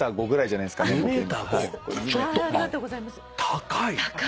高い！